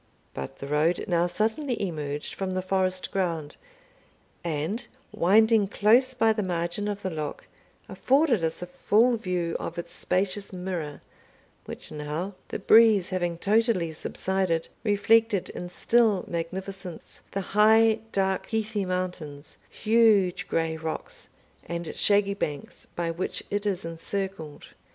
But the road now suddenly emerged from the forest ground, and, winding close by the margin of the loch, afforded us a full view of its spacious mirror, which now, the breeze having totally subsided, reflected in still magnificence the high dark heathy mountains, huge grey rocks, and shaggy banks, by which it is encircled.